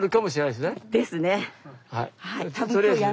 はい。